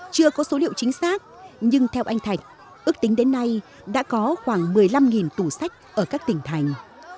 chưa có số liệu chính xác nhưng theo anh thạch ước tính đến nay đã có khoảng một mươi năm tủ sách ở các tỉnh thành